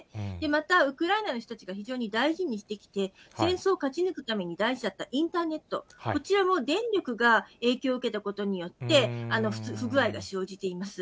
また、ウクライナの人たちが非常に大事にしてきて、戦争を勝ち抜くために大事だったインターネット、こちらも電力が影響を受けたことによって、不具合が生じています。